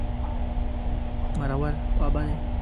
مرور... خوابدی.